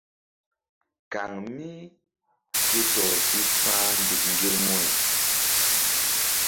Kaŋ mí ke tɔr si fa̧h nzuk ŋgermuri.